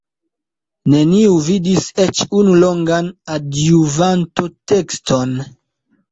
Neniu vidis eĉ unu longan Adjuvanto-tekston.